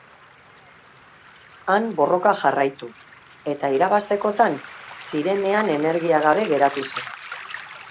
Han borroka jarraitu eta irabaztekotan zirenean energia gabe geratu zen.